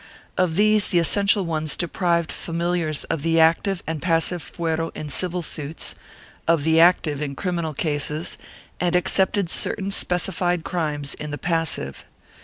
Of these the essential ones deprived familiars of the active and passive fuero in civil suits, of the active in criminal cases, and excepted certain specified crimes in the passive.